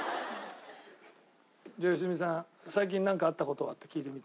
じゃあ良純さん「最近なんかあった事は？」って聞いてみて。